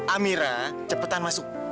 amira cepetan masuk